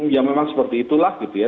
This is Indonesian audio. ya memang seperti itulah gitu ya